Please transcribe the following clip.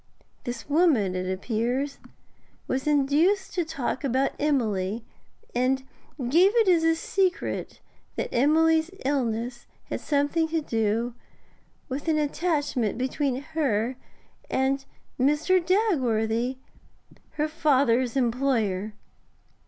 This woman, it appears, was induced to talk about Emily, and gave it as a secret that Emily's illness had something to do with an attachment between her and Mr. Dagworthy, her father's employer.